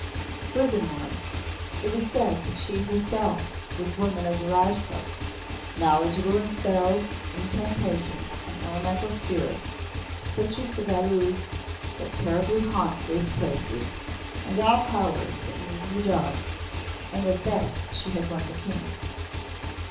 Furthermore it was said that she herself was woman of the Rajputs, knowledgeable in spells, incantations and elemental spirits such as the Beloos that terribly haunt waste places, and all Powers that move in the dark, and that thus she had won the King.